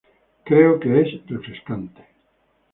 Creo que es refrescante.